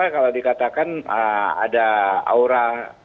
kalau dikatakan ada aura